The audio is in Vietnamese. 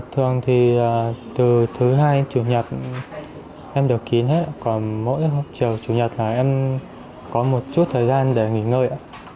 thường thì từ thứ hai chủ nhật em đều kín hết còn mỗi trường chủ nhật là em có một chút thời gian để nghỉ ngơi